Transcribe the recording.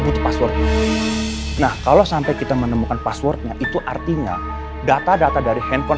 butuh passwordnya nah kalau sampai kita menemukan passwordnya itu artinya data data dari handphone